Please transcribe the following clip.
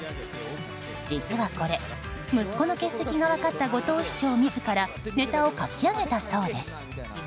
実はこれ、息子の欠席が分かった後藤市長自らネタを書き上げたそうです。